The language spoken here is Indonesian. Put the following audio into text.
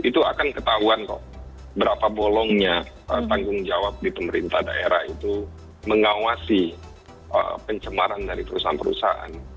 itu akan ketahuan kok berapa bolongnya tanggung jawab di pemerintah daerah itu mengawasi pencemaran dari perusahaan perusahaan